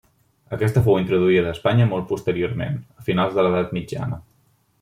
Aquesta fou introduïda a Espanya molt posteriorment, a finals de l'edat mitjana.